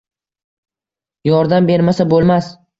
Yordam bermasa bo‘lmas.